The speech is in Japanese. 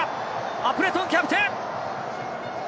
アプレトンキャプテン。